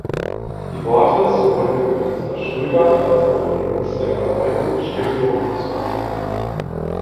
Die Worte sowohl von Kanzler Schröder als auch von Minister Verheugen stimmen hoffnungsvoll.